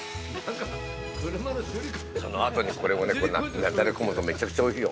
その後にこれを、流れ込むとめちゃくちゃおいしいよ。